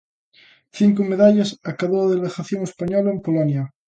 Cinco medallas acadou a delegación española en Polonia.